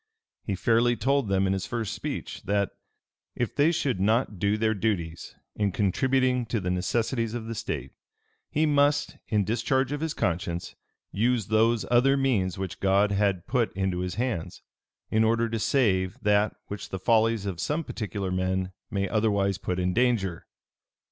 He fairly told them in his first speech, that, "If they should not do their duties in contributing to the necessities of the state, he must, in discharge of his conscience, use those other means which God had put into his hands, in order to save that which the follies of some particular men may otherwise put in danger.